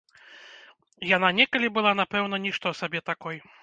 Яна некалі была напэўна нішто сабе такой.